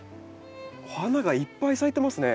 お花がいっぱい咲いてますね。